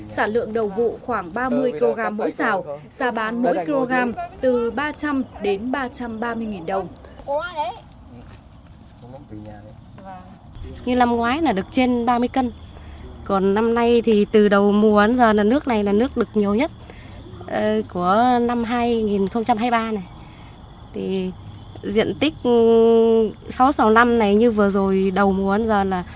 sản lượng đầu vụ khoảng ba mươi kg mỗi xào xà bán mỗi kg từ ba trăm linh đến ba trăm ba mươi đồng